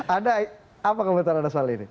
ada apa komentar anda soal ini